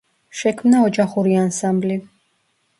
შექმნა ოჯახური ანსამბლი.